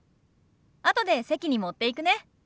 あとで席に持っていくね。